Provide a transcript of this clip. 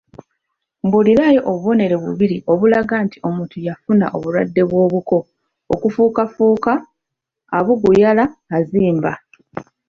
Mbuulirayo obubonero bubiri obulaga nti omuntu yafuna obulwadde bw'obuko: okufukaafuka, abuguyala, azimba.